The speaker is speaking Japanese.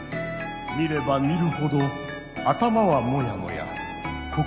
見れば見るほど頭はモヤモヤ心もモヤモヤ。